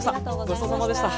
ごちそうさまでした。